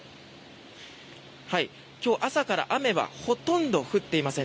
今日、朝から雨はほとんど降っていません。